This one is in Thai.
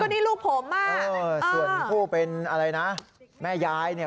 นี่ลูกผมอ่ะส่วนผู้เป็นอะไรนะแม่ยายเนี่ย